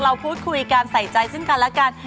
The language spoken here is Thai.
เราพูดคุยกันใส่ใจซึ่งกันและกัน